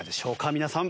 皆さん。